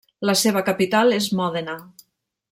La seva capital és Mòdena.